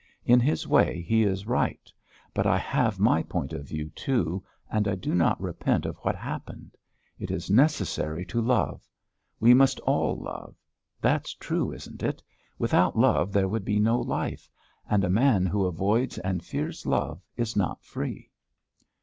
In his way he is right, but I have my point of view, too, and I do not repent of what has happened. It is necessary to love. We must all love. That's true, isn't it? Without love there would be no life, and a man who avoids and fears love is not free."